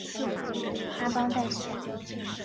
阿邦代苏。